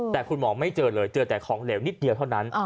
แต่คุณหมอไม่เจอเลยเจอแต่ของเหลวนิดเดียวเท่านั้น